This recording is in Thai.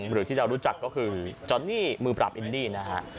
หรือที่เรารู้จักก็คือจอนนี่มือปราบอินดี้นะฮะ